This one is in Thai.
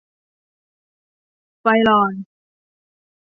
ไพลอน